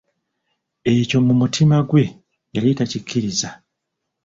Ekyo mu mutima gwe yali takikkiriza.